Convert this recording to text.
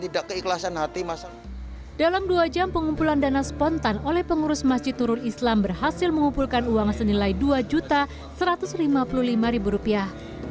dalam dua jam pengumpulan dana spontan oleh pengurus masjid turun islam berhasil mengumpulkan uang senilai dua satu ratus lima puluh lima rupiah